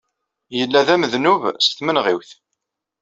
Yella d amednub s tmenɣiwt.